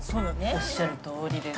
おっしゃるとおりです。